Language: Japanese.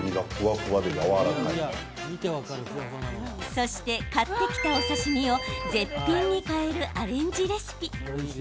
そして買ってきたお刺身を絶品に変えるアレンジレシピ。